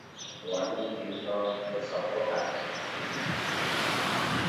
What do you think of the support act "Tink" ?